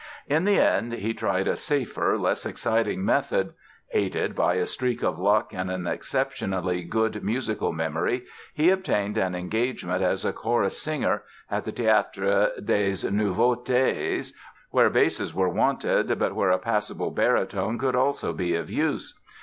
In the end he tried a safer, less exciting method. Aided by a streak of luck and an exceptionally good musical memory, he obtained an engagement as a chorus singer at the Théâtre des Nouveautés, where basses were wanted but where a passable baritone could also be of use.